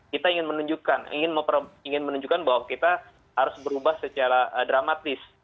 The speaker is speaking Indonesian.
kita ingin menunjukkan bahwa kita harus berubah secara dramatis